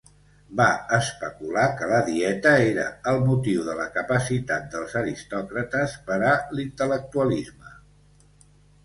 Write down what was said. Va especular que la dieta era el motiu de la capacitat dels aristocràtes per a l'intel·lectualisme.